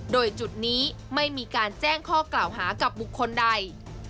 โดยจุดนี้ไม่มีการแจ้งข้อกล่าวหากับบุคคลใด